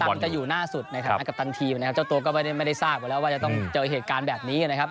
มันจะอยู่หน้าสุดในฐานะกัปตันทีมนะครับเจ้าตัวก็ไม่ได้ทราบอยู่แล้วว่าจะต้องเจอเหตุการณ์แบบนี้นะครับ